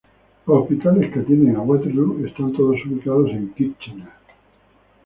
Los hospitales que atienden a Waterloo están todos ubicados en Kitchener.